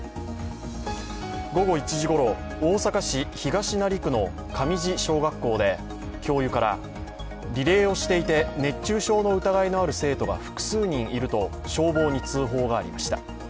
午後１時ごろ、大阪市東成区の神路小学校で、教諭からリレーをしていて熱中症の疑いのある生徒が複数人いると、消防に通報がありました。